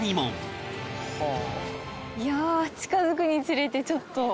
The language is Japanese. いやあ近づくにつれてちょっと。